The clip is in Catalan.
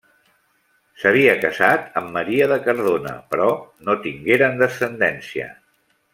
S'havia casat amb Maria de Cardona però no tingueren descendència.